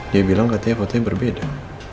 dia bilang katanya fotonya berbeda